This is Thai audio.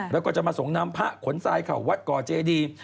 แล้วก็จะมาส่งน้ำพระขนทรายเข้าวัดก่อเจดี